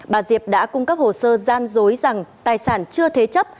bà diệp đã cung cấp hồ sơ gian dối rằng tài sản chưa thế chấp